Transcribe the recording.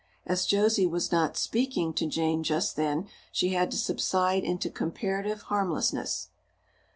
As Josie was not "speaking" to Jane just then she had to subside into comparative harmlessness.